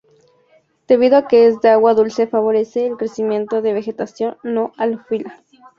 Debido a que es de agua dulce favorece el crecimiento de vegetación no halófila.